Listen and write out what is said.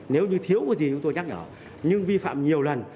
nếu như thiếu cái gì chúng tôi nhắc nhở nhưng vi phạm nhiều lần